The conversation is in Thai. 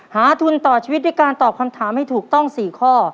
ทุนต่อชีวิตด้วยการตอบคำถามให้ถูกต้อง๔ข้อ